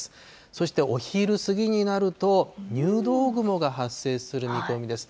そしてお昼過ぎになると、入道雲が発生する見込みです。